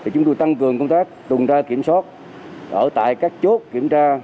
chúng tôi tăng cường công tác tùng ra kiểm soát ở tại các chốt kiểm tra